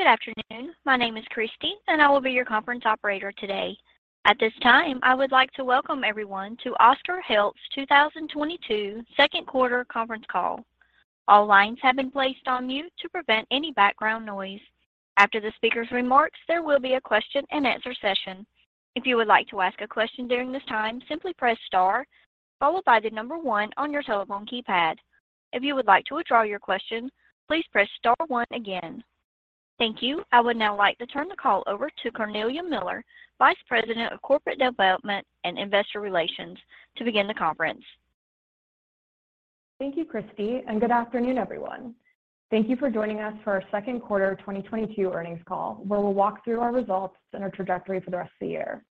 Good afternoon. My name is Christy, and I will be your conference operator today. At this time, I would like to welcome everyone to Oscar Health's 2022 second quarter conference call. All lines have been placed on mute to prevent any background noise. After the speaker's remarks, there will be a question-and-answer session. If you would like to ask a question during this time, simply press star followed by the number one on your telephone keypad. If you would like to withdraw your question, please press star one again. Thank you. I would now like to turn the call over to Cornelia Miller, Vice President of Corporate Development and Investor Relations, to begin the conference. Thank you, Christy, and good afternoon, everyone. Thank you for joining us for our second quarter 2022 earnings call, where we'll walk through our results and our trajectory for the rest of the year.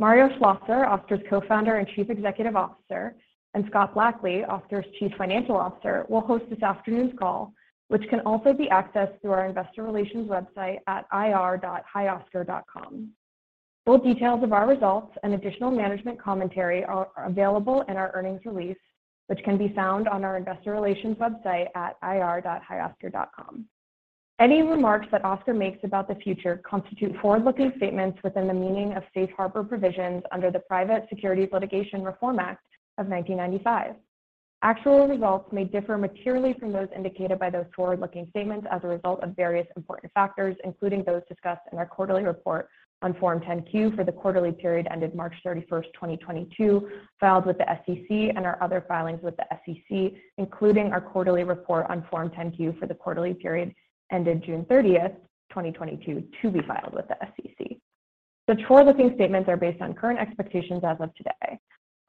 Mario Schlosser, Oscar's Co-founder and Chief Executive Officer, and Scott Blackley, Oscar's Chief Financial Officer, will host this afternoon's call, which can also be accessed through our investor relations website at ir.hioscar.com. Full details of our results and additional management commentary are available in our earnings release, which can be found on our investor relations website at ir.hioscar.com. Any remarks that Oscar makes about the future constitute forward-looking statements within the meaning of safe harbor provisions under the Private Securities Litigation Reform Act of 1995. Actual results may differ materially from those indicated by those forward-looking statements as a result of various important factors, including those discussed in our quarterly report on Form 10-Q for the quarterly period ended March 31st, 2022, filed with the SEC, and our other filings with the SEC, including our quarterly report on Form 10-Q for the quarterly period ended June 30th, 2022, to be filed with the SEC. The forward-looking statements are based on current expectations as of today.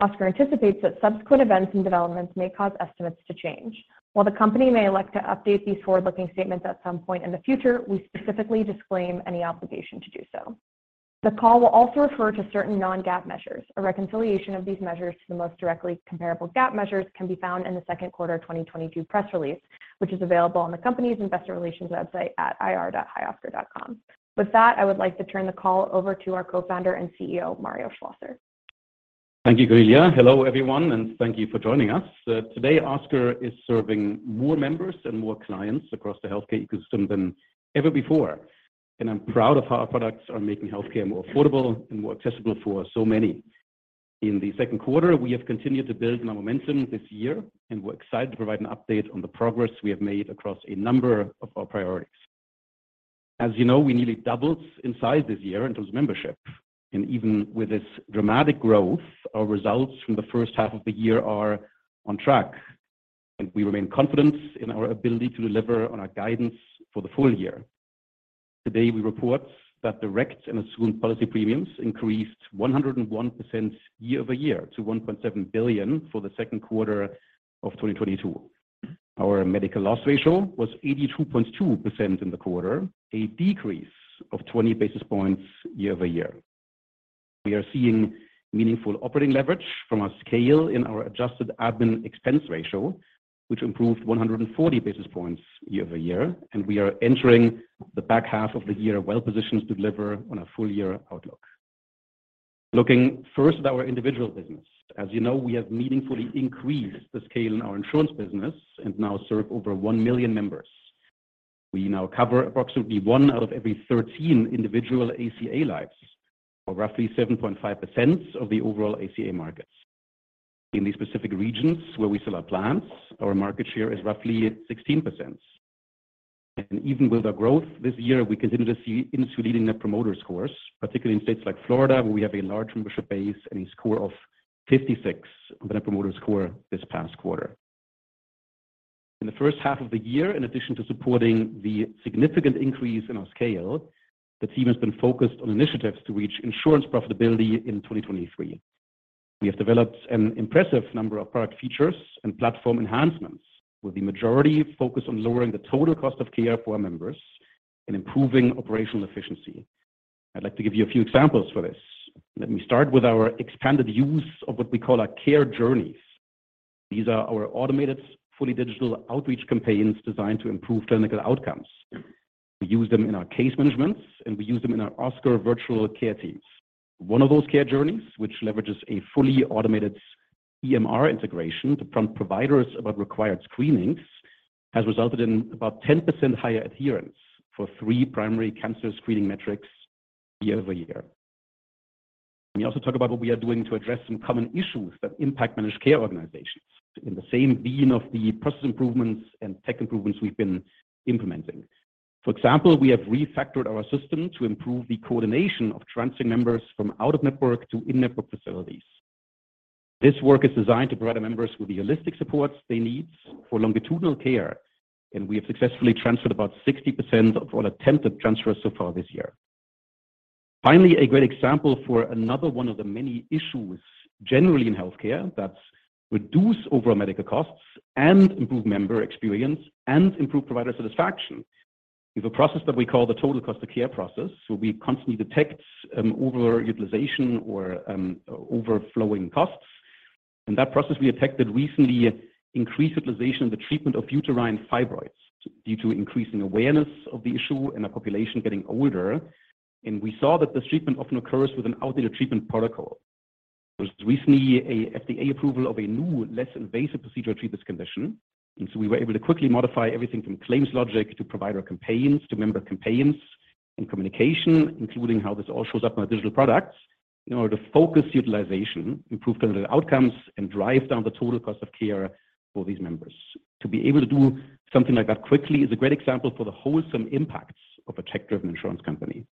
Oscar anticipates that subsequent events and developments may cause estimates to change. While the Company may elect to update these forward-looking statements at some point in the future, we specifically disclaim any obligation to do so. The call will also refer to certain non-GAAP measures. A reconciliation of these measures to the most directly comparable GAAP measures can be found in the second quarter 2022 press release, which is available on the company's investor relations website at ir.hioscar.com. With that, I would like to turn the call over to our Co-founder and CEO, Mario Schlosser. Thank you, Cornelia. Hello, everyone, and thank you for joining us. Today, Oscar is serving more members and more clients across the healthcare ecosystem than ever before, and I'm proud of how our products are making healthcare more affordable and more accessible for so many. In the second quarter, we have continued to build on our momentum this year, and we're excited to provide an update on the progress we have made across a number of our priorities. As you know, we nearly doubled in size this year in terms of membership. Even with this dramatic growth, our results from the first half of the year are on track, and we remain confident in our ability to deliver on our guidance for the full year. Today, we report that direct and assumed policy premiums increased 101% year-over-year to $1.7 billion for the second quarter of 2022. Our medical loss ratio was 82.2% in the quarter, a decrease of 20 basis points year-over-year. We are seeing meaningful operating leverage from our scale in our adjusted admin expense ratio, which improved 140 basis points year-over-year, and we are entering the back half of the year well-positioned to deliver on our full-year outlook. Looking first at our individual business. As you know, we have meaningfully increased the scale in our insurance business and now serve over 1 million members. We now cover approximately 1 out of every 13 individual ACA lives, or roughly 7.5% of the overall ACA market. In the specific regions where we sell our plans, our market share is roughly 16%. Even with our growth this year, we continue to see industry-leading Net Promoter Scores, particularly in states like Florida, where we have a large membership base and a score of 56 on the Net Promoter Score this past quarter. In the first half of the year, in addition to supporting the significant increase in our scale, the team has been focused on initiatives to reach insurance profitability in 2023. We have developed an impressive number of product features and platform enhancements, with the majority focused on lowering the total cost of care for our members and improving operational efficiency. I'd like to give you a few examples for this. Let me start with our expanded use of what we call our Care Journeys. These are our automated, fully digital outreach campaigns designed to improve clinical outcomes. We use them in our case management, and we use them in our Oscar virtual care teams. One of those Care Journeys, which leverages a fully automated EMR integration to prompt providers about required screenings, has resulted in about 10% higher adherence for three primary cancer screening metrics year-over-year. Let me also talk about what we are doing to address some common issues that impact managed care organizations in the same vein of the process improvements and tech improvements we've been implementing. For example, we have refactored our system to improve the coordination of transferring members from out-of-network to in-network facilities. This work is designed to provide our members with the holistic supports they need for longitudinal care, and we have successfully transferred about 60% of all attempted transfers so far this year. Finally, a great example for another one of the many issues generally in healthcare that reduce overall medical costs and improve member experience and improve provider satisfaction is a process that we call the total cost of care process, where we constantly detect over-utilization or overflowing costs. In that process, we detected recently increased utilization in the treatment of uterine fibroids due to increasing awareness of the issue and our population getting older. We saw that this treatment often occurs with an outdated treatment protocol. There was recently a FDA approval of a new, less invasive procedure to treat this condition, and so we were able to quickly modify everything from claims logic to provider campaigns to member campaigns and communication, including how this all shows up in our digital products in order to focus utilization, improve clinical outcomes, and drive down the total cost of care for these members. To be able to do something like that quickly is a great example for the wholesome impacts of a tech-driven insurance company.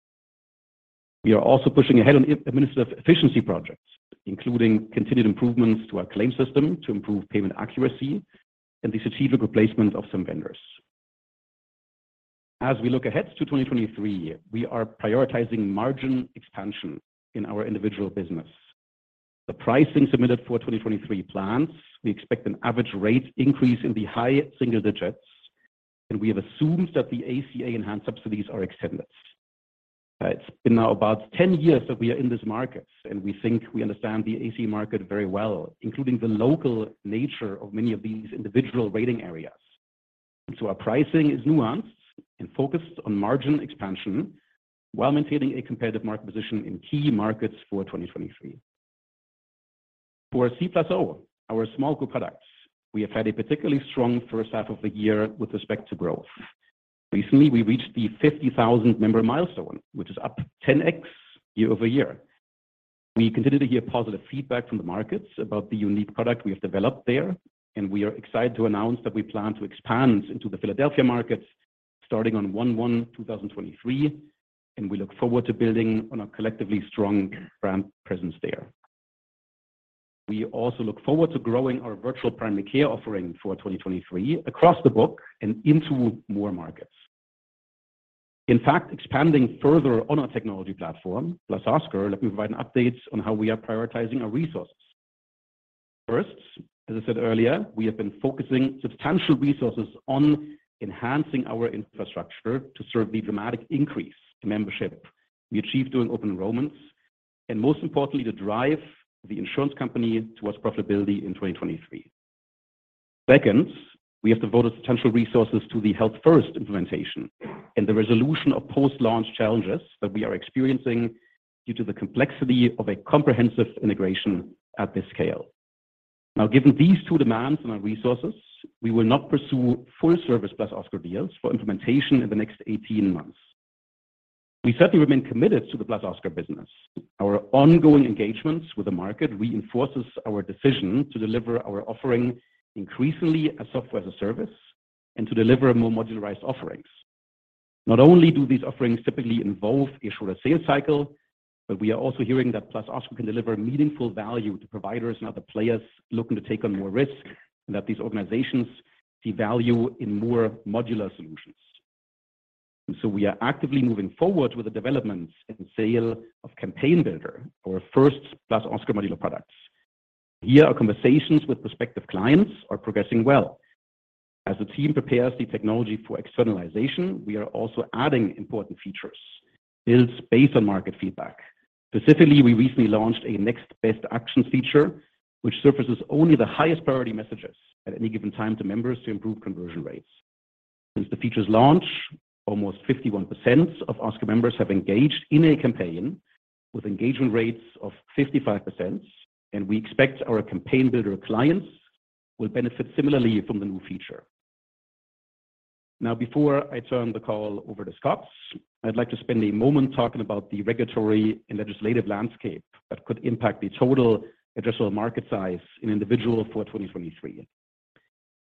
We are also pushing ahead on administrative efficiency projects, including continued improvements to our claim system to improve payment accuracy and the strategic replacement of some vendors. As we look ahead to 2023, we are prioritizing margin expansion in our individual business. The pricing submitted for 2023 plans, we expect an average rate increase in the high single digits, and we have assumed that the ACA enhanced subsidies are extended. It's been now about 10 years that we are in this market, and we think we understand the ACA market very well, including the local nature of many of these individual rating areas. Our pricing is nuanced and focused on margin expansion while maintaining a competitive market position in key markets for 2023. For C+O, our small group products, we have had a particularly strong first half of the year with respect to growth. Recently, we reached the 50,000 member milestone, which is up 10x year-over-year. We continue to hear positive feedback from the markets about the unique product we have developed there, and we are excited to announce that we plan to expand into the Philadelphia market starting on 1/1/2023, and we look forward to building on our collectively strong brand presence there. We also look forward to growing our virtual primary care offering for 2023 across the book and into more markets. In fact, expanding further on our technology platform, let me provide an update on how we are prioritizing our resources. First, as I said earlier, we have been focusing substantial resources on enhancing our infrastructure to serve the dramatic increase in membership we achieved during open enrollments, and most importantly, to drive the insurance company towards profitability in 2023. Second, we have devoted substantial resources to the Health First implementation and the resolution of post-launch challenges that we are experiencing due to the complexity of a comprehensive integration at this scale. Now, given these two demands on our resources, we will not pursue full-service +Oscar deals for implementation in the next 18 months. We certainly remain committed to the +Oscar business. Our ongoing engagements with the market reinforces our decision to deliver our offering increasingly as software as a service and to deliver more modularized offerings. Not only do these offerings typically involve a shorter sales cycle, but we are also hearing that +Oscar can deliver meaningful value to providers and other players looking to take on more risk, and that these organizations see value in more modular solutions. We are actively moving forward with the development and sale of Campaign Builder, our first +Oscar modular products. Here, our conversations with prospective clients are progressing well. As the team prepares the technology for externalization, we are also adding important features built based on market feedback. Specifically, we recently launched a next best action feature, which surfaces only the highest priority messages at any given time to members to improve conversion rates. Since the feature's launch, almost 51% of Oscar members have engaged in a campaign with engagement rates of 55%, and we expect our Campaign Builder clients will benefit similarly from the new feature. Now, before I turn the call over to Scott, I'd like to spend a moment talking about the regulatory and legislative landscape that could impact the total addressable market size in individual for 2023.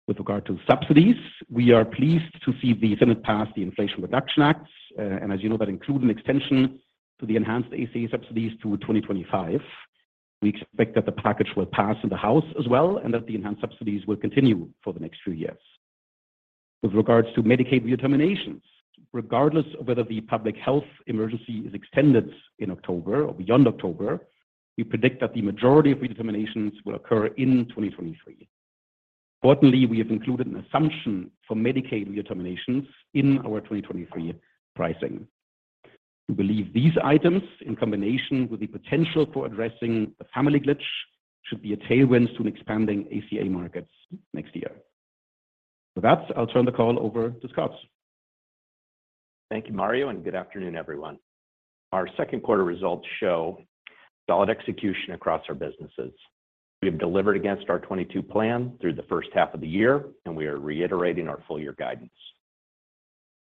With regard to subsidies, we are pleased to see the Senate pass the Inflation Reduction Act, and as you know, that includes an extension to the enhanced ACA subsidies to 2025. We expect that the package will pass in the House as well, and that the enhanced subsidies will continue for the next few years. With regards to Medicaid redeterminations, regardless of whether the public health emergency is extended in October or beyond October, we predict that the majority of redeterminations will occur in 2023. Importantly, we have included an assumption for Medicaid redeterminations in our 2023 pricing. We believe these items, in combination with the potential for addressing the family glitch, should be a tailwind to expanding ACA markets next year. With that, I'll turn the call over to Scott. Thank you, Mario, and good afternoon, everyone. Our second quarter results show solid execution across our businesses. We have delivered against our 2022 plan through the first half of the year, and we are reiterating our full year guidance.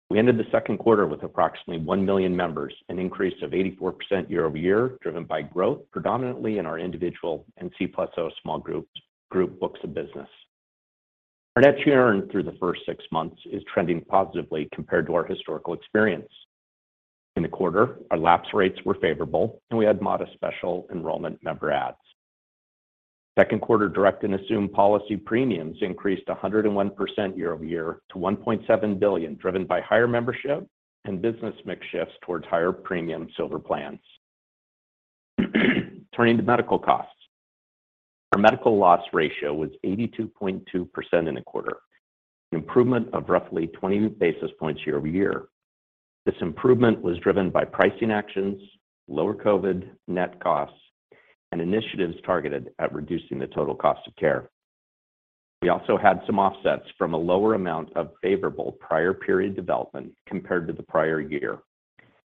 We ended the second quarter with approximately 1 million members, an increase of 84% year-over-year, driven by growth predominantly in our individual and C plus O small group books of business. Our net share earn through the first six months is trending positively compared to our historical experience. In the quarter, our lapse rates were favorable, and we had modest special enrollment member adds. Second quarter direct and assumed policy premiums increased 101% year-over-year to $1.7 billion, driven by higher membership and business mix shifts towards higher premium silver plans. Turning to medical costs. Our medical loss ratio was 82.2% in the quarter, an improvement of roughly 20 basis points year-over-year. This improvement was driven by pricing actions, lower COVID net costs, and initiatives targeted at reducing the total cost of care. We also had some offsets from a lower amount of favorable prior period development compared to the prior year,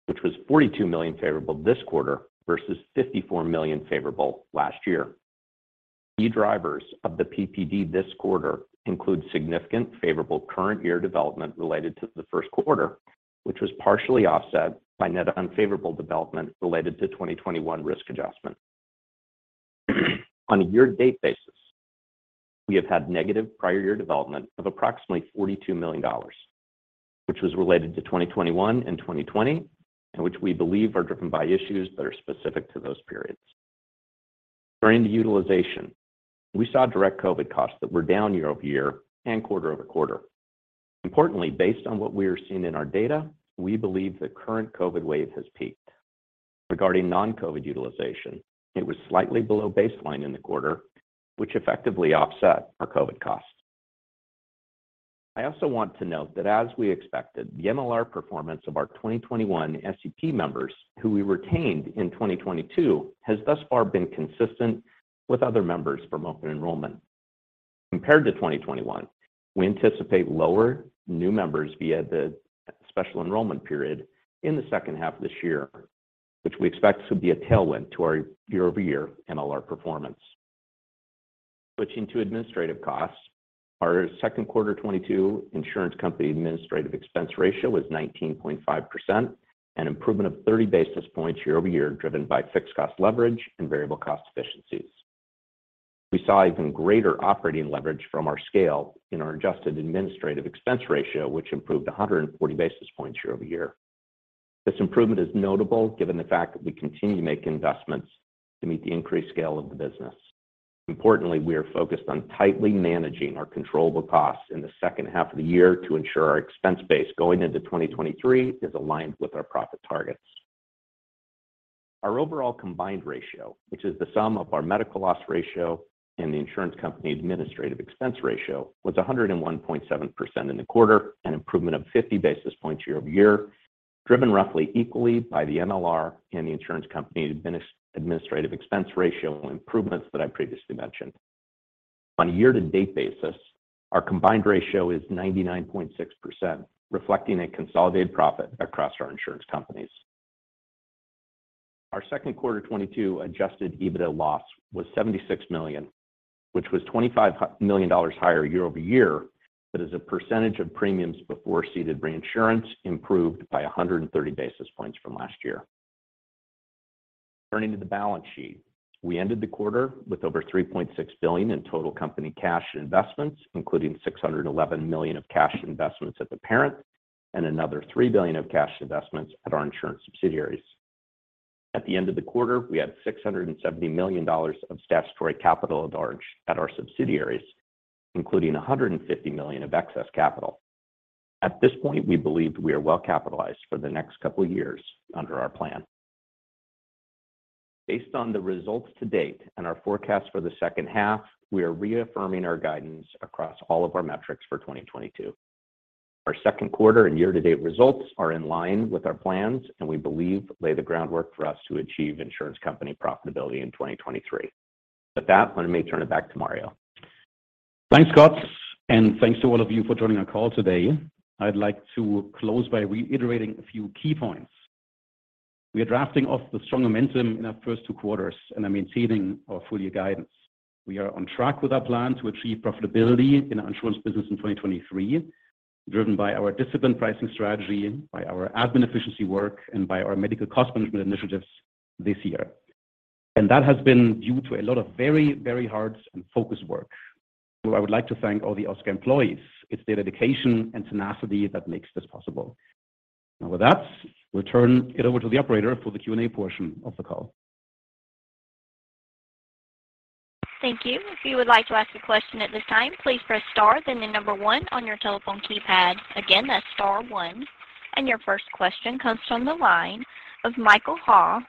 which was $42 million favorable this quarter versus $54 million favorable last year. Key drivers of the PPD this quarter include significant favorable current year development related to the first quarter, which was partially offset by net unfavorable development related to 2021 risk adjustment. On a year-to-date basis, we have had negative prior year development of approximately $42 million, which was related to 2021 and 2020, and which we believe are driven by issues that are specific to those periods. Turning to utilization, we saw direct COVID costs that were down year-over-year and quarter-over-quarter. Importantly, based on what we are seeing in our data, we believe the current COVID wave has peaked. Regarding non-COVID utilization, it was slightly below baseline in the quarter, which effectively offset our COVID costs. I also want to note that as we expected, the MLR performance of our 2021 SEP members who we retained in 2022 has thus far been consistent with other members from open enrollment. Compared to 2021, we anticipate lower new members via the special enrollment period in the second half of this year, which we expect to be a tailwind to our year-over-year MLR performance. Switching to administrative costs, our second quarter 2022 insurance company administrative expense ratio was 19.5%, an improvement of 30 basis points year-over-year, driven by fixed cost leverage and variable cost efficiencies. We saw even greater operating leverage from our scale in our adjusted administrative expense ratio, which improved 140 basis points year-over-year. This improvement is notable given the fact that we continue to make investments to meet the increased scale of the business. Importantly, we are focused on tightly managing our controllable costs in the second half of the year to ensure our expense base going into 2023 is aligned with our profit targets. Our overall combined ratio, which is the sum of our medical loss ratio and the insurance company's administrative expense ratio, was 101.7% in the quarter, an improvement of 50 basis points year-over-year, driven roughly equally by the MLR and the insurance company administrative expense ratio improvements that I previously mentioned. On a year-to-date basis, our combined ratio is 99.6%, reflecting a consolidated profit across our insurance companies. Our second quarter 2022 Adjusted EBITDA loss was $76 million, which was $25 million higher year-over-year, but as a percentage of premiums before ceded reinsurance improved by 130 basis points from last year. Turning to the balance sheet, we ended the quarter with over $3.6 billion in total company cash and investments, including $611 million of cash investments at the parent, and another $3 billion of cash investments at our insurance subsidiaries. At the end of the quarter, we had $670 million of statutory capital at large at our subsidiaries, including $150 million of excess capital. At this point, we believe we are well capitalized for the next couple of years under our plan. Based on the results to date and our forecast for the second half, we are reaffirming our guidance across all of our metrics for 2022. Our second quarter and year-to-date results are in line with our plans, and we believe lay the groundwork for us to achieve insurance company profitability in 2023. With that, let me turn it back to Mario. Thanks, Scott, and thanks to all of you for joining our call today. I'd like to close by reiterating a few key points. We are drafting off the strong momentum in our first two quarters and maintaining our full-year guidance. We are on track with our plan to achieve profitability in our insurance business in 2023, driven by our disciplined pricing strategy, by our admin efficiency work, and by our medical cost management initiatives this year. That has been due to a lot of very, very hard and focused work. I would like to thank all the Oscar employees. It's their dedication and tenacity that makes this possible. Now with that, we'll turn it over to the operator for the Q&A portion of the call. Thank you. If you would like to ask a question at this time, please press star, then the number one on your telephone keypad. Again, that's star one. Your first question comes from the line of Michael Ha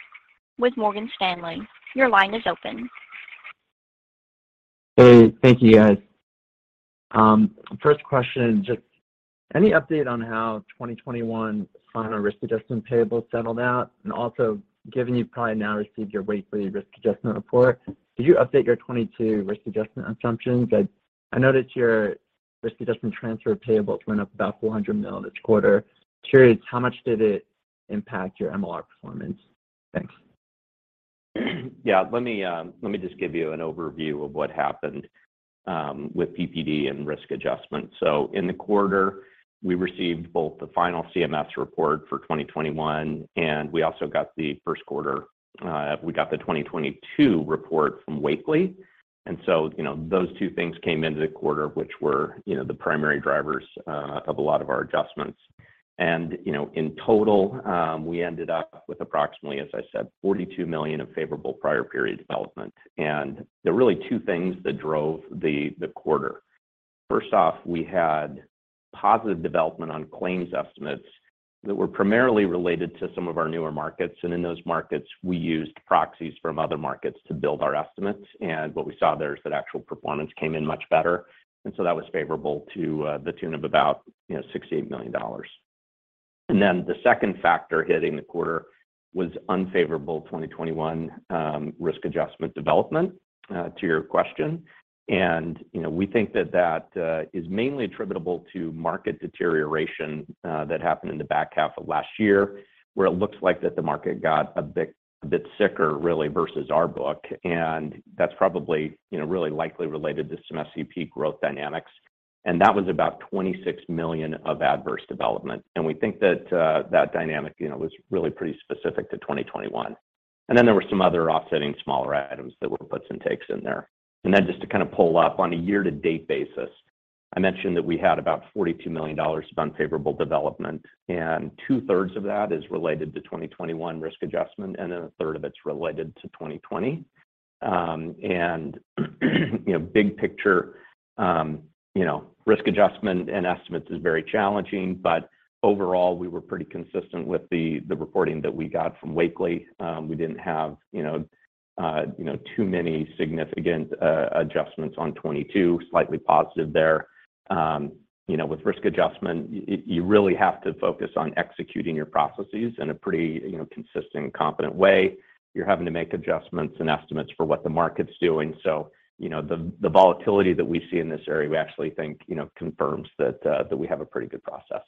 with Morgan Stanley. Your line is open. Hey. Thank you, guys. First question, just any update on how 2021 final risk adjustment payable settled out? Also, given you've probably now received your Wakely risk adjustment report, did you update your 2022 risk adjustment assumptions? I noticed your risk adjustment transfer payables went up about $400 million this quarter. Curious, how much did it impact your MLR performance? Thanks. Yeah, let me just give you an overview of what happened with PPD and risk adjustment. In the quarter, we received both the final CMS report for 2021, and we also got the 2022 report from Wakely. Those two things came into the quarter, which were, you know, the primary drivers of a lot of our adjustments. In total, you know, we ended up with approximately, as I said, $42 million of favorable prior period development. There are really two things that drove the quarter. First off, we had positive development on claims estimates that were primarily related to some of our newer markets. In those markets, we used proxies from other markets to build our estimates. What we saw there is that actual performance came in much better. So that was favorable to the tune of about, you know, $68 million. Then the second factor hitting the quarter was unfavorable 2021 risk adjustment development to your question. You know, we think that that is mainly attributable to market deterioration that happened in the back half of last year, where it looks like that the market got a bit sicker really versus our book. That's probably, you know, really likely related to some SEP growth dynamics. That was about $26 million of adverse development. We think that that dynamic, you know, was really pretty specific to 2021. Then there were some other offsetting smaller items that were puts and takes in there. Then just to kind of pull up on a year-to-date basis, I mentioned that we had about $42 million of unfavorable development, and two-thirds of that is related to 2021 risk adjustment, and then a third of it's related to 2020. You know, big picture, you know, risk adjustment and estimates is very challenging, but overall, we were pretty consistent with the reporting that we got from Wakely. We didn't have, you know, too many significant adjustments on 2022, slightly positive there. You know, with risk adjustment, you really have to focus on executing your processes in a pretty, you know, consistent and competent way. You're having to make adjustments and estimates for what the market's doing. You know, the volatility that we see in this area, we actually think, you know, confirms that we have a pretty good process.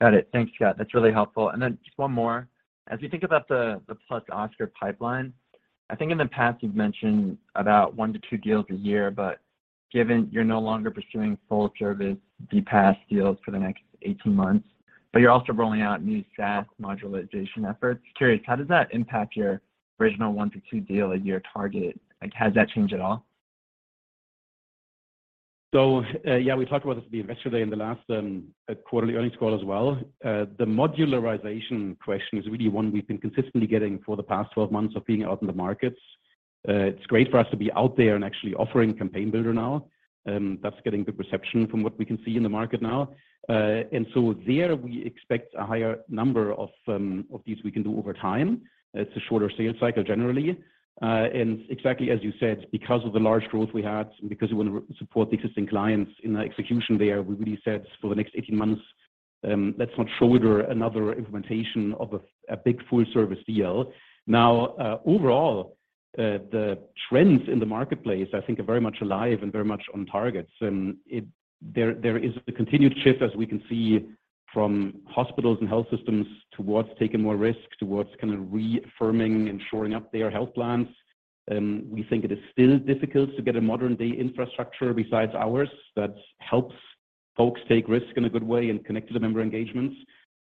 Got it. Thanks, Scott. That's really helpful. Just one more. As you think about the +Oscar pipeline, I think in the past you've mentioned about one to two deals a year. Given you're no longer pursuing full service DPAS deals for the next 18 months, but you're also rolling out new SaaS modularization efforts. Curious, how does that impact your original one to two deal a year target? Like, has that changed at all? Yeah, we talked about this the Investor Day and the last quarterly earnings call as well. The modularization question is really one we've been consistently getting for the past 12 months of being out in the markets. It's great for us to be out there and actually offering Campaign Builder now. That's getting good reception from what we can see in the market now. There we expect a higher number of these we can do over time. It's a shorter sales cycle generally. Exactly as you said, because of the large growth we had, because we want to support the existing clients in the execution there, we really said for the next 18 months, let's not shoulder another implementation of a big full service deal. Now, overall, the trends in the marketplace I think are very much alive and very much on targets. There is a continued shift as we can see from hospitals and health systems towards taking more risk, towards kind of reaffirming and shoring up their health plans. We think it is still difficult to get a modern-day infrastructure besides ours that helps folks take risk in a good way and connect to the member engagements.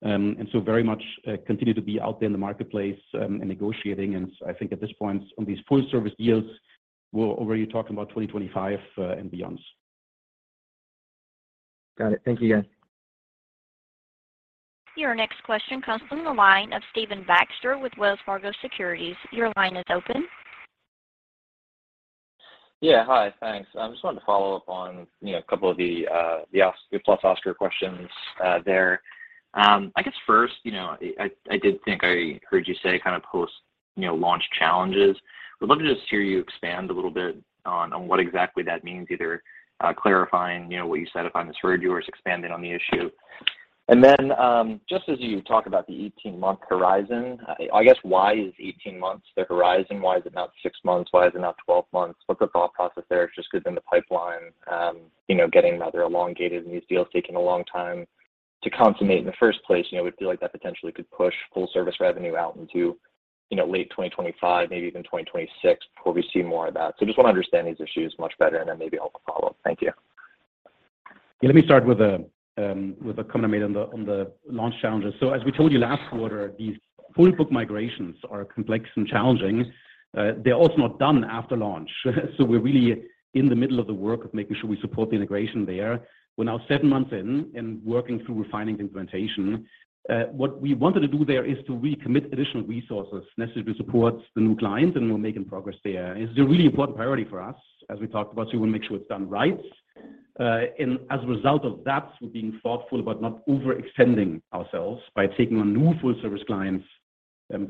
Very much continue to be out there in the marketplace and negotiating. I think at this point on these full service deals, we're already talking about 2025 and beyond. Got it. Thank you again. Your next question comes from the line of Stephen Baxter with Wells Fargo Securities. Your line is open. Yeah. Hi, thanks. I just wanted to follow up on, you know, a couple of the +Oscar questions there. I guess first, you know, I did think I heard you say kind of post-launch challenges. Would love to just hear you expand a little bit on what exactly that means, either clarifying, you know, what you said, if I misheard you, or just expanding on the issue. Just as you talk about the 18-month horizon, I guess why is 18 months the horizon? Why is it not six months? Why is it not 12 months? What's the thought process there? Just 'cause in the pipeline, you know, getting rather elongated and these deals taking a long time to consummate in the first place. You know, I would feel like that potentially could push full service revenue out into, you know, late 2025, maybe even 2026, before we see more of that. Just wanna understand these issues much better and then maybe I'll have a follow-up. Thank you. Yeah, let me start with the comment I made on the launch challenges. As we told you last quarter, these full book migrations are complex and challenging. They're also not done after launch. We're really in the middle of the work of making sure we support the integration there. We're now seven months in and working through refining the implementation. What we wanted to do there is to recommit additional resources necessary to support the new clients, and we're making progress there. It's a really important priority for us. As we talked about, we wanna make sure it's done right. As a result of that, we're being thoughtful about not overextending ourselves by taking on new full service clients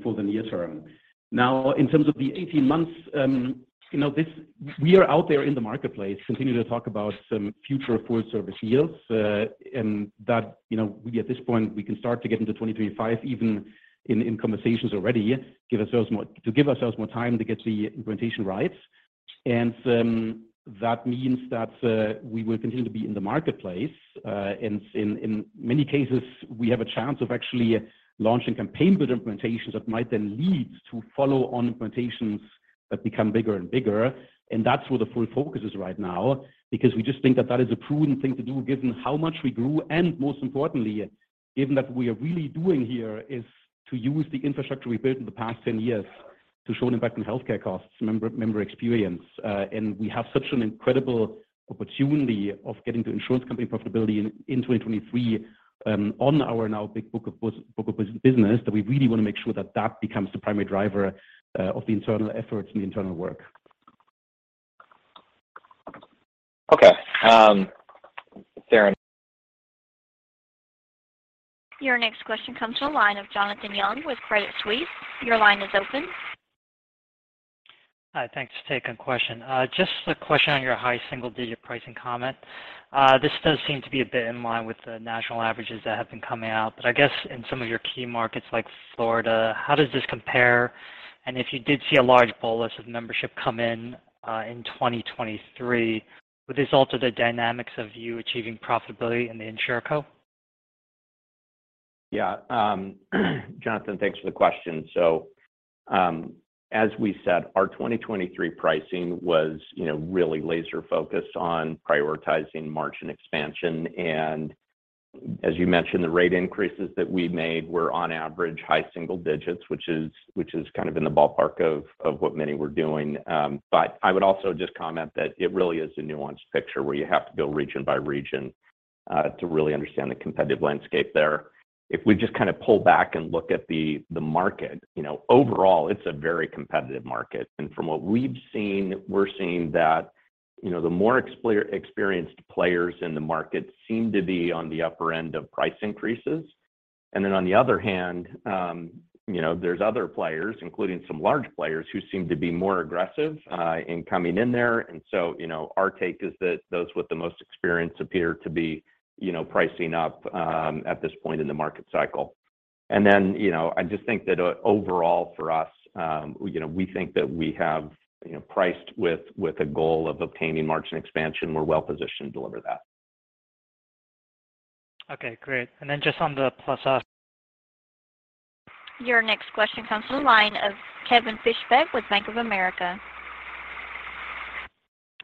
for the near term. Now, in terms of the 18 months, you know, we are out there in the marketplace continuing to talk about some future full service deals, and that, you know, we at this point, we can start to get into 2025 even in conversations already, to give ourselves more time to get the implementation right. That means that we will continue to be in the marketplace. In many cases, we have a chance of actually launching Campaign Builder implementations that might then lead to follow-on implementations that become bigger and bigger. That's where the full focus is right now, because we just think that that is a prudent thing to do given how much we grew, and most importantly, given that we are really doing here is to use the infrastructure we built in the past 10 years to show an impact on healthcare costs, member experience. We have such an incredible opportunity of getting to insurance company profitability in 2023, on our now big book of business, that we really wanna make sure that that becomes the primary driver of the internal efforts and the internal work. Okay. Done. Your next question comes from the line of Jonathan Yong with Credit Suisse. Your line is open. Hi, thanks for taking the question. Just a question on your high single digit pricing comment. This does seem to be a bit in line with the national averages that have been coming out. I guess in some of your key markets like Florida, how does this compare? If you did see a large bolus of membership come in 2023, would this alter the dynamics of you achieving profitability in the InsurCo? Yeah. Jonathan, thanks for the question. As we said, our 2023 pricing was, you know, really laser-focused on prioritizing margin expansion. As you mentioned, the rate increases that we made were on average high single digits, which is kind of in the ballpark of what many were doing. I would also just comment that it really is a nuanced picture where you have to go region by region to really understand the competitive landscape there. If we just kind of pull back and look at the market, you know, overall it's a very competitive market. From what we've seen, we're seeing that, you know, the more experienced players in the market seem to be on the upper end of price increases. On the other hand, you know, there's other players, including some large players, who seem to be more aggressive in coming in there. Our take is that those with the most experience appear to be, you know, pricing up at this point in the market cycle. I just think that overall for us, you know, we think that we have priced with a goal of obtaining margin expansion. We're well positioned to deliver that. Okay, great. Just on the +Oscar. Your next question comes from the line of Kevin Fischbeck with Bank of America.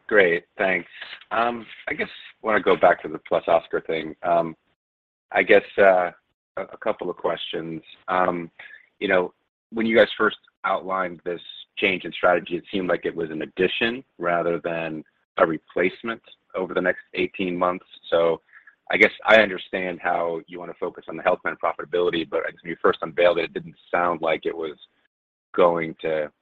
Great, thanks. I guess I want to go back to the +Oscar thing. I guess a couple of questions. You know, when you guys first outlined this change in strategy, it seemed like it was an addition rather than a replacement over the next 18 months. I guess I understand how you want to focus on the health plan profitability, but as you first unveiled it didn't sound like it was going to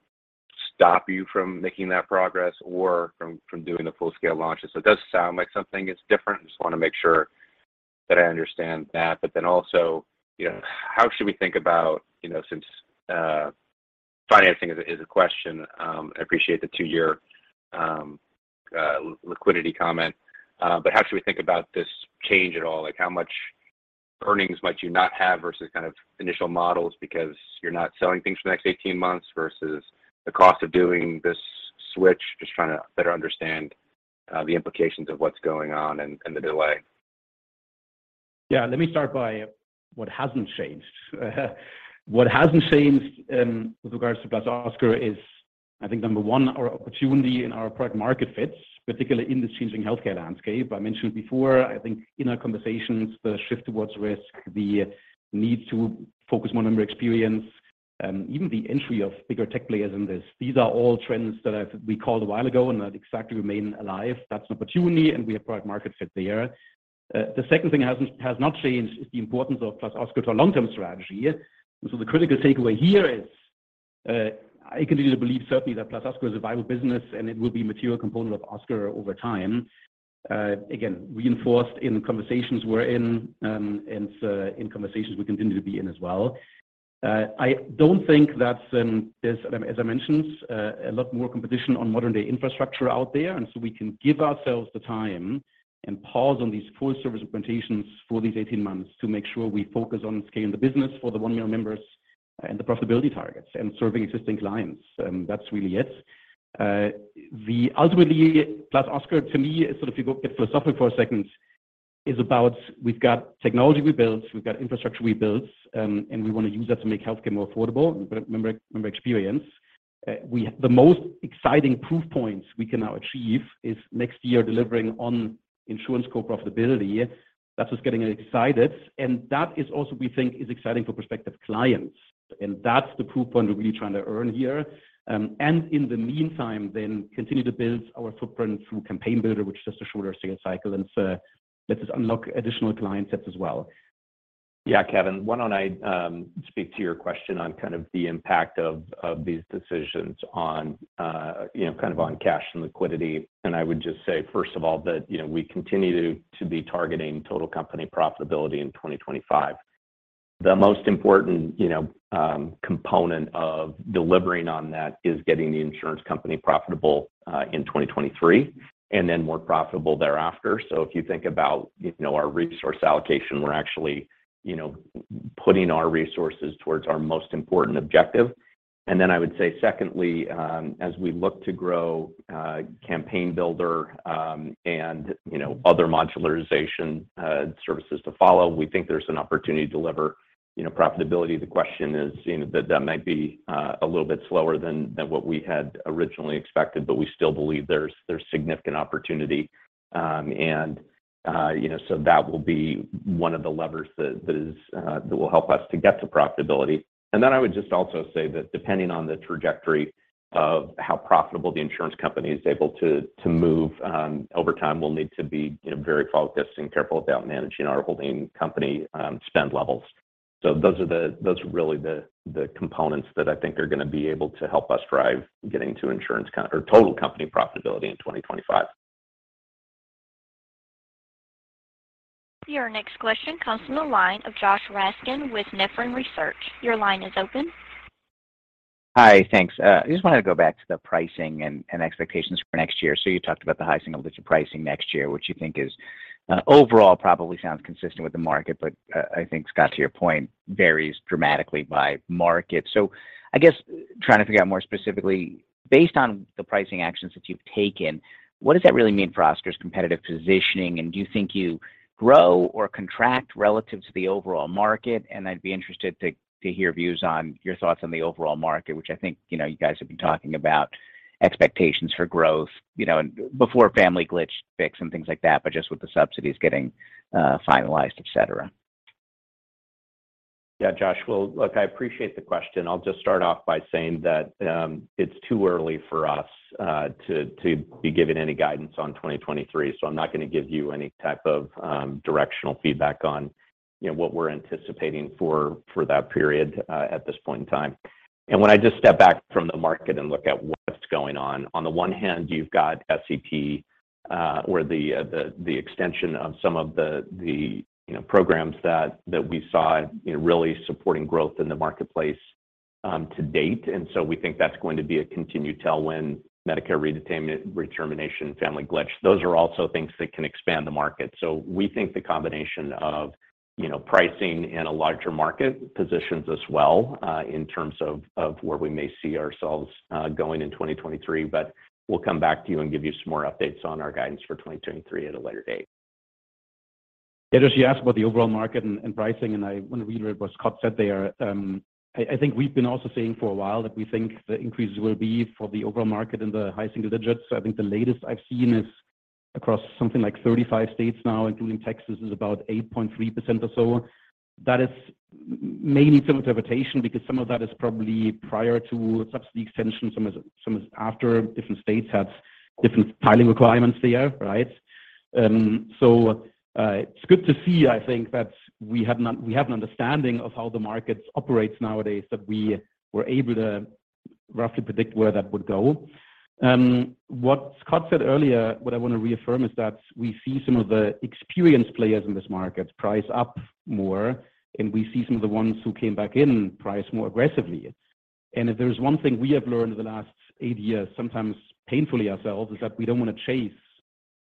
stop you from making that progress or from doing the full scale launches. It does sound like something is different. I just want to make sure that I understand that. Then also, you know, how should we think about, you know, since financing is a question, I appreciate the two-year liquidity comment. How should we think about this change at all? Like, how much earnings might you not have versus kind of initial models because you're not selling things for the next 18 months versus the cost of doing this switch? Just trying to better understand the implications of what's going on and the delay. Yeah, let me start by what hasn't changed. What hasn't changed, with regards to +Oscar is, I think, number one, our opportunity and our product market fits, particularly in this changing healthcare landscape. I mentioned before, I think in our conversations, the shift towards risk, the need to focus more on member experience, even the entry of bigger tech players in this. These are all trends that we called a while ago and that exactly remain alive. That's an opportunity, and we have product market fit there. The second thing that has not changed is the importance of +Oscar to our long-term strategy. The critical takeaway here is, I continue to believe certainly that +Oscar is a viable business, and it will be a material component of Oscar over time. Again, reinforced in conversations we're in, and in conversations we continue to be in as well. I don't think that, there's, as I mentioned, a lot more competition on modern day infrastructure out there, and so we can give ourselves the time and pause on these full service implementations for these 18 months to make sure we focus on scaling the business for the 1 million members and the profitability targets and serving existing clients. That's really it. Ultimately, +Oscar, to me, sort of if you look at it philosophically for a second, is about we've got technology we built, we've got infrastructure we built, and we want to use that to make healthcare more affordable, member experience. The most exciting proof points we can now achieve is next year delivering on insurance co profitability. That is what's getting us excited, and that is also we think is exciting for prospective clients, and that's the proof point we're really trying to earn here. In the meantime, continue to build our footprint through Campaign Builder, which is just a shorter sales cycle, and so lets us unlock additional client sets as well. Yeah, Kevin, why don't I speak to your question on kind of the impact of these decisions on you know, kind of on cash and liquidity. I would just say, first of all, that you know, we continue to be targeting total company profitability in 2025. The most important you know, component of delivering on that is getting the insurance company profitable in 2023, and then more profitable thereafter. If you think about you know, our resource allocation, we're actually you know, putting our resources towards our most important objective. I would say secondly, as we look to grow Campaign Builder and you know, other modularization services to follow, we think there's an opportunity to deliver you know, profitability. The question is that might be a little bit slower than what we had originally expected, but we still believe there's significant opportunity. You know, that will be one of the levers that will help us to get to profitability. I would just also say that depending on the trajectory of how profitable the insurance company is able to move over time, we'll need to be very focused and careful about managing our holding company spend levels. Those are really the components that I think are going to be able to help us drive getting to insurance co or total company profitability in 2025. Your next question comes from the line of Josh Raskin with Nephron Research. Your line is open. Hi. Thanks. I just wanted to go back to the pricing and expectations for next year. You talked about the high single digit pricing next year, which you think is overall, probably sounds consistent with the market, but I think, Scott, to your point, varies dramatically by market. I guess trying to figure out more specifically, based on the pricing actions that you've taken, what does that really mean for Oscar's competitive positioning? And do you think you grow or contract relative to the overall market? And I'd be interested to hear views on your thoughts on the overall market, which I think, you know, you guys have been talking about expectations for growth, you know, and before family glitch fix and things like that, but just with the subsidies getting finalized, etc. Yeah. Josh, well, look, I appreciate the question. I'll just start off by saying that it's too early for us to be giving any guidance on 2023, so I'm not gonna give you any type of directional feedback on, you know, what we're anticipating for that period at this point in time. When I just step back from the market and look at what's going on the one hand, you've got SEP or the extension of some of the, you know, programs that we saw, you know, really supporting growth in the marketplace to date. We think that's going to be a continued tailwind. Medicare redetermination, family glitch, those are also things that can expand the market. We think the combination of, you know, pricing in a larger market positions us well, in terms of where we may see ourselves, going in 2023. We'll come back to you and give you some more updates on our guidance for 2023 at a later date. Yeah. Josh, you asked about the overall market and pricing, and I want to reiterate what Scott said there. I think we've been also saying for a while that we think the increases will be for the overall market in the high single digits. I think the latest I've seen is across something like 35 states now, including Texas, is about 8.3% or so. That is maybe some interpretation because some of that is probably prior to subsidy extension, some is after. Different states have different filing requirements there, right? It's good to see, I think, that we have an understanding of how the market operates nowadays, that we were able to roughly predict where that would go. What Scott said earlier, what I wanna reaffirm is that we see some of the experienced players in this market price up more, and we see some of the ones who came back in price more aggressively. If there's one thing we have learned in the last eight years, sometimes painfully ourselves, is that we don't wanna chase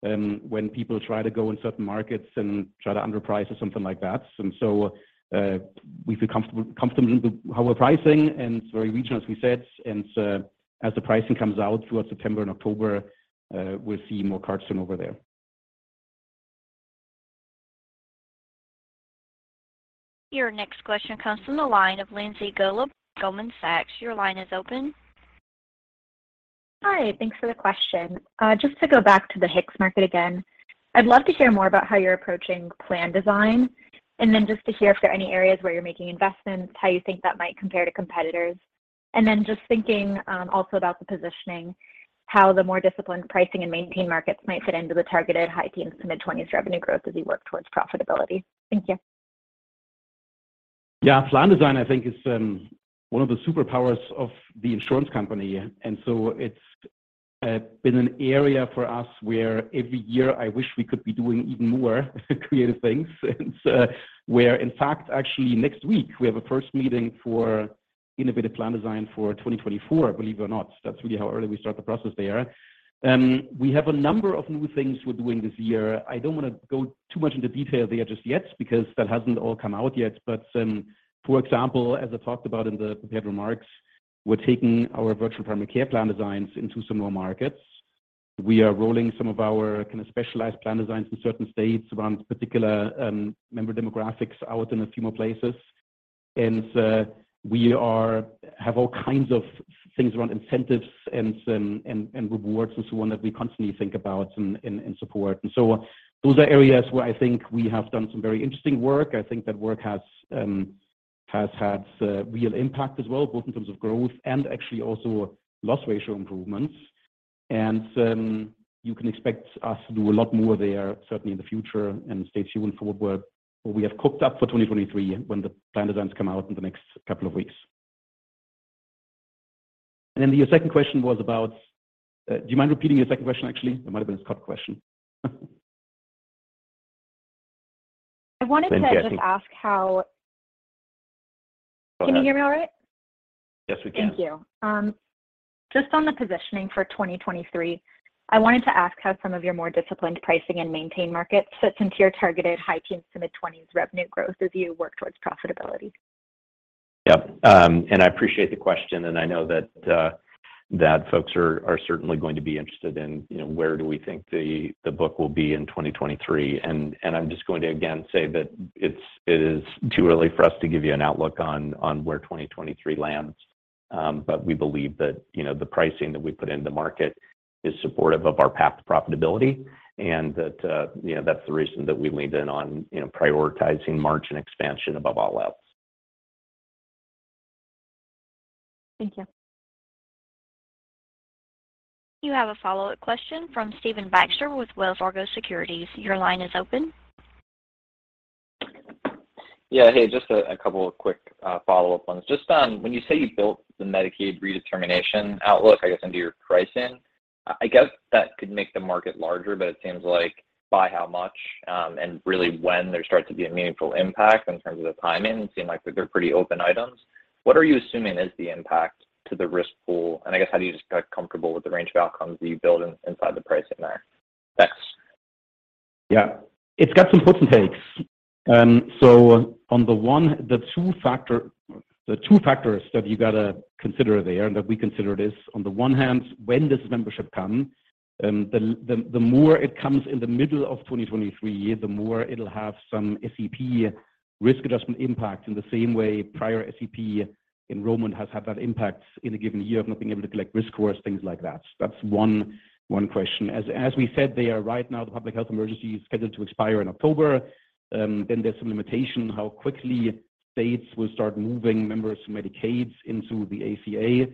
when people try to go in certain markets and try to underprice or something like that. We feel comfortable with how we're pricing and it's very regional, as we said. As the pricing comes out throughout September and October, we'll see more cards turn over there. Your next question comes from the line of Lindsay Golub, Goldman Sachs. Your line is open. Hi. Thanks for the question. Just to go back to the HIX market again, I'd love to hear more about how you're approaching plan design, and then just to hear if there are any areas where you're making investments, how you think that might compare to competitors. Just thinking also about the positioning, how the more disciplined pricing and maintained markets might fit into the targeted high teens%-mid-twenties% revenue growth as you work towards profitability. Thank you. Yeah. Plan design, I think is one of the superpowers of the insurance company. It's been an area for us where every year I wish we could be doing even more creative things. Where in fact, actually next week we have a first meeting for innovative plan design for 2024, believe it or not. That's really how early we start the process there. We have a number of new things we're doing this year. I don't wanna go too much into detail there just yet because that hasn't all come out yet. For example, as I talked about in the prepared remarks, we're taking our virtual primary care plan designs into some more markets. We are rolling some of our kinda specialized plan designs in certain states around particular member demographics out in a few more places. We have all kinds of things around incentives and rewards and so on that we constantly think about and support. Those are areas where I think we have done some very interesting work. I think that work has had real impact as well, both in terms of growth and actually also loss ratio improvements. You can expect us to do a lot more there certainly in the future. Stay tuned for what we have cooked up for 2023 when the plan designs come out in the next couple of weeks. Then your second question was about. Do you mind repeating your second question, actually? That might have been a Scott question. I wanted to just ask how. Go ahead. Can you hear me all right? Yes, we can. Thank you. Just on the positioning for 2023, I wanted to ask how some of your more disciplined pricing and maintained markets fit into your targeted high teens to mid-twenties revenue growth as you work towards profitability. Yeah. I appreciate the question, and I know that folks are certainly going to be interested in, you know, where do we think the book will be in 2023. I'm just going to again say that it is too early for us to give you an outlook on where 2023 lands. We believe that, you know, the pricing that we put in the market is supportive of our path to profitability and that, you know, that's the reason that we leaned in on, you know, prioritizing margin expansion above all else. Thank you. You have a follow-up question from Stephen Baxter with Wells Fargo Securities. Your line is open. Yeah. Hey, just a couple of quick follow-up ones. Just on when you say you built the Medicaid redetermination outlook, I guess, into your pricing, I guess that could make the market larger, but it seems like by how much, and really when there starts to be a meaningful impact in terms of the timing, it seems like they're pretty open items. What are you assuming is the impact to the risk pool? And I guess, how do you just get comfortable with the range of outcomes that you build in inside the pricing there? Thanks. Yeah. It's got some puts and takes. The two factors that you gotta consider there, and that we consider this, on the one hand, when does membership come? The more it comes in the middle of 2023, the more it'll have some SEP risk adjustment impact in the same way prior SEP enrollment has had that impact in a given year of not being able to collect risk scores, things like that. That's one question. As we said, they are right now, the public health emergency is scheduled to expire in October, then there's some limitation how quickly states will start moving members from Medicaid into the ACA.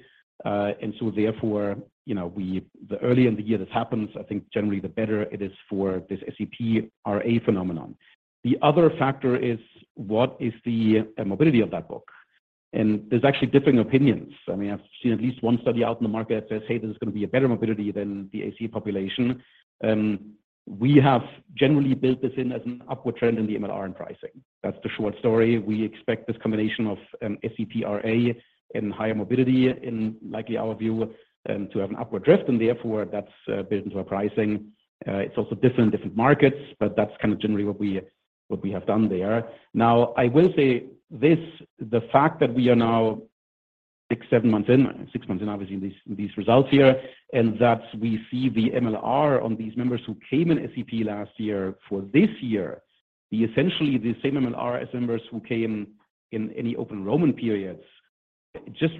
Therefore, you know, the earlier in the year this happens, I think generally the better it is for this SEP RA phenomenon. The other factor is what is the mobility of that book? There's actually differing opinions. I mean, I've seen at least one study out in the market that says, hey, this is gonna be a better mobility than the ACA population. We have generally built this in as an upward trend in the MLR and pricing. That's the short story. We expect this combination of SEP RA and higher mobility in likely our view to have an upward drift, and therefore that's built into our pricing. It's also different in different markets, but that's kind of generally what we have done there. Now, I will say this, the fact that we are now six or seven months in, obviously, these results here, and that we see the MLR on these members who came in SEP last year for this year be essentially the same MLR as members who came in any open enrollment periods. Just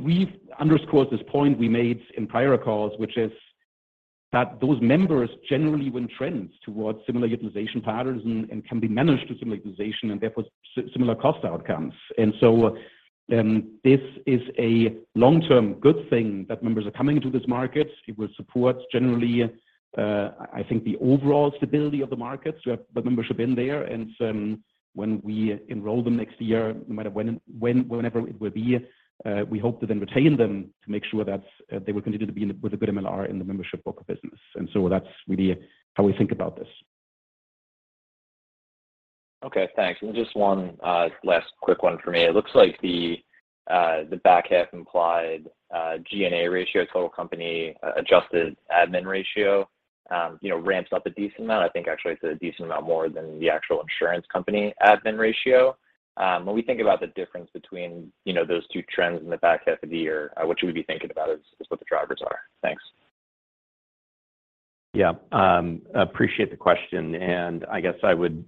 underscores this point we made in prior calls, which is that those members generally will trend towards similar utilization patterns and can be managed with similar utilization, and therefore similar cost outcomes. This is a long-term good thing that members are coming into this market. It will support generally, I think the overall stability of the markets. We have the membership in there, and so when we enroll them next year, no matter when, whenever it will be, we hope to then retain them to make sure that they will continue to be in with a good MLR in the membership book of business. That's really how we think about this. Okay, thanks. Just one last quick one for me. It looks like the back half implied G&A ratio, total company adjusted admin ratio, you know, ramps up a decent amount. I think actually it's a decent amount more than the actual insurance company admin ratio. When we think about the difference between, you know, those two trends in the back half of the year, what should we be thinking about as what the drivers are? Thanks. Yeah, appreciate the question. I guess I would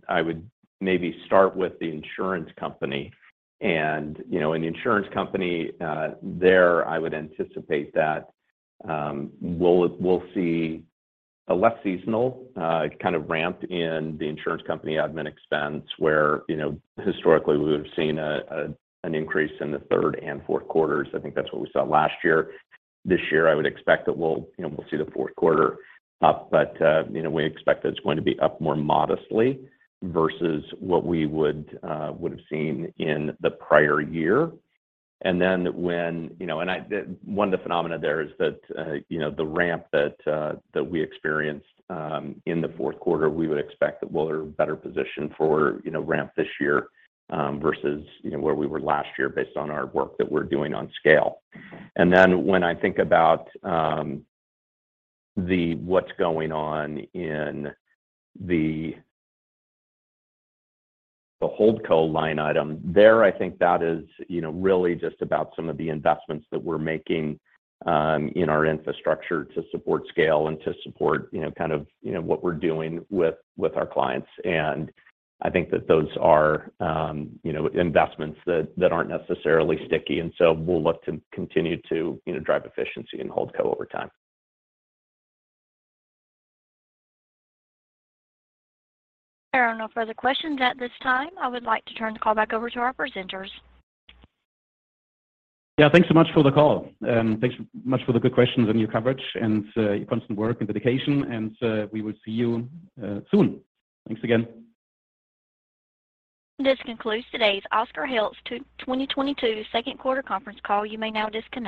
maybe start with the insurance company. You know, in the insurance company, there, I would anticipate that we'll see a less seasonal kind of ramp in the insurance company admin expense where, you know, historically we would have seen an increase in the third and fourth quarters. I think that's what we saw last year. This year, I would expect that we'll see the fourth quarter up, but you know, we expect that it's going to be up more modestly versus what we would have seen in the prior year. Then when, you know. One of the phenomena there is that, you know, the ramp that we experienced in the fourth quarter, we would expect that we're better positioned for, you know, ramp this year, versus, you know, where we were last year based on our work that we're doing on scale. When I think about what's going on in the holdco line item there, I think that is, you know, really just about some of the investments that we're making in our infrastructure to support scale and to support, you know, kind of, what we're doing with our clients. I think that those are, you know, investments that aren't necessarily sticky, and so we'll look to continue to, you know, drive efficiency in holdco over time. There are no further questions at this time. I would like to turn the call back over to our presenters. Yeah. Thanks so much for the call. Thanks much for the good questions and your coverage and your constant work and dedication, and we will see you soon. Thanks again. This concludes today's Oscar Health's 2022 second quarter conference call. You may now disconnect.